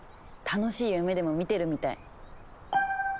楽しい夢でも見てるみたい。